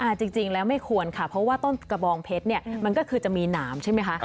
จริงแล้วไม่ควรค่ะเพราะว่าต้นกระบองเพชรเนี่ยมันก็คือจะมีหนามใช่ไหมคะ